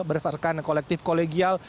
berserkan kolektif kolegial